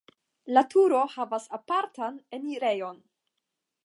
La turo havas apartan enirejon.